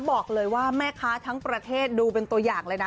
บอกเลยว่าแม่ค้าทั้งประเทศดูเป็นตัวอย่างเลยนะ